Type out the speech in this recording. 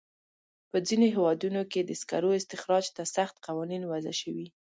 په ځینو هېوادونو کې د سکرو استخراج ته سخت قوانین وضع شوي.